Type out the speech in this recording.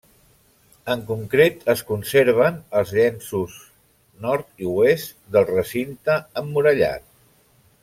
En concret es conserven els llenços nord i oest del recinte emmurallat.